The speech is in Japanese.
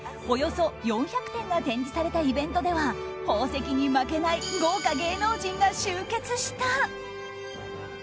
およそ４００点が展示されたイベントでは宝石に負けない豪華芸能人が集結した。